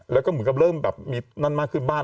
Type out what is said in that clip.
แล้วก็เหมือนกับเริ่มแบบมีนั่นมากขึ้นบ้าน